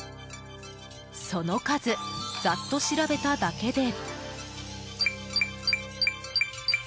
その数、ざっと調べただけで。